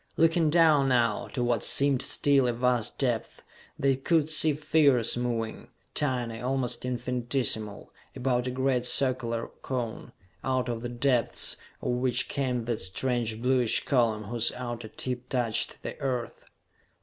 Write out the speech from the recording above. Looking down now, to what seemed still a vast depth, they could see figures moving, tiny, almost infinitesimal, about a great circular cone, out of the depths of which came that strange bluish column whose outer tip touched the Earth.